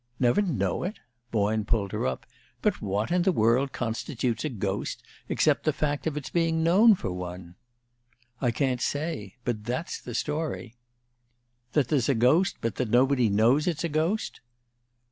"Never know it?" Boyne pulled her up. "But what in the world constitutes a ghost except the fact of its being known for one?" "I can't say. But that's the story." "That there's a ghost, but that nobody knows it's a ghost?"